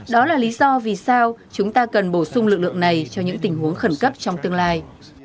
đó là lý do vì sao chúng ta cần bổ sung lực lượng này cho những tình huống khẩn cấp trong tương lai